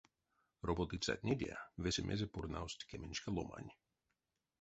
Роботыцятнеде весемезэ пурнавсть кеменьшка ломань.